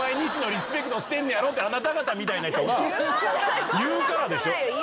リスペクトしてんねやろってあなた方みたいな人が言うからでしょ。